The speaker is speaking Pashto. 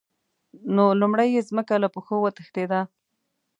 نو لومړی یې ځمکه له پښو وتښتېده.